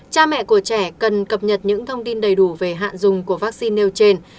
cha mẹ của trẻ cần cập nhật những thông tin đầy đủ về hạn dùng của vaccine nêu trên